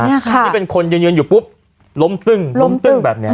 นี่เป็นคนยืนอยู่ปุ๊บล้มตึ้งแบบนี้